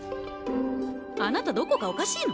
あなたどこかおかしいの？